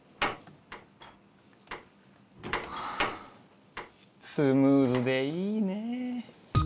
はぁスムーズでいいねえ。